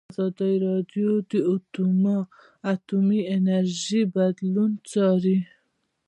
ازادي راډیو د اټومي انرژي بدلونونه څارلي.